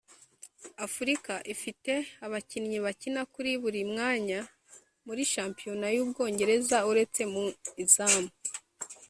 Afurika ifite abakinnyi bakina kuri buri mwanya muri shampiyona y’u Bwongereza uretse mu izamu